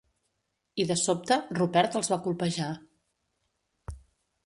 I de sobte, Rupert els va colpejar.